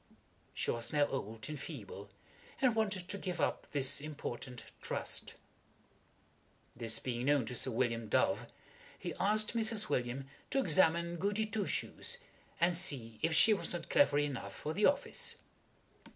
She was now old and feeble, and wanted to give up this important trust. [Illustration: Brother and Sister] This being known to Sir William Dove, he asked Mrs. Williams to examine Goody Two Shoes and see if she was not clever enough for the office.